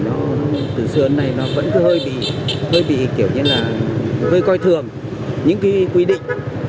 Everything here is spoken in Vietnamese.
nó từ xưa đến nay nó vẫn cứ hơi thì hơi bị kiểu như là hơi coi thường những cái quy định